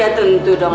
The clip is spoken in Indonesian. ya tentu dong